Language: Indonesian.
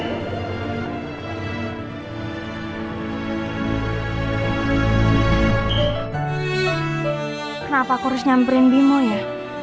kenapa aku harus nyamperin bimo ya